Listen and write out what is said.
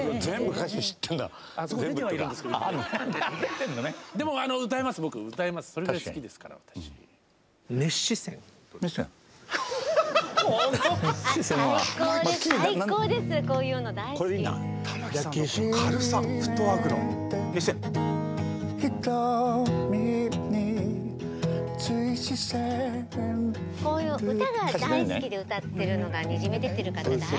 歌が大好きで歌ってるのがにじみ出てる方大好き。